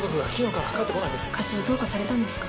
課長どうかされたんですか？